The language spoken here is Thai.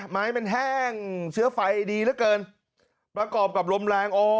ไม้มันแห้งเชื้อไฟดีเหลือเกินประกอบกับลมแรงโอ้